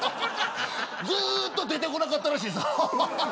ずっと出てこなかったらしいです。